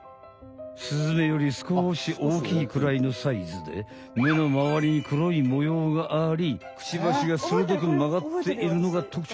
スズメよりすこしおおきいくらいのサイズで目の周りに黒いもようがありクチバシがするどく曲がっているのが特徴。